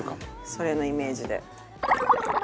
それのイメージで。